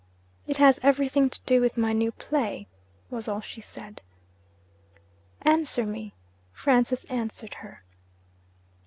'It has everything to do with my new play,' was all she said. 'Answer me.' Francis answered her.